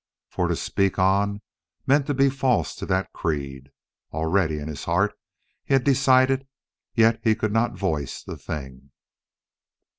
For to speak on meant to be false to that creed. Already in his heart he had decided, yet he could not voice the thing.